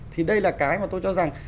thì đây là cái mà tôi cho rằng